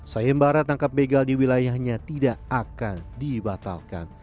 sayembara tangkap begal di wilayahnya tidak akan dibatalkan